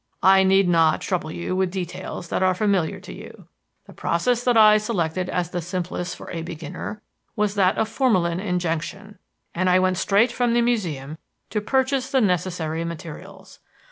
I need not trouble you with details that are familiar to you. The process that I selected as the simplest for a beginner was that of formalin injection, and I went straight from the Museum to purchase the necessary materials.